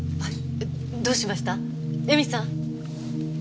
どうしましたエミさん？